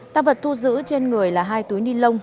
tăng vật thu giữ trên người là hai túi ni lông